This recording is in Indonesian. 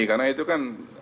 karena itu kan